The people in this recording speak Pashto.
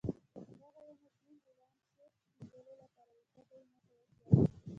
دغه یو مضمون د لانسیټ مجلې لپاره دی، ته به يې ما ته وژباړې.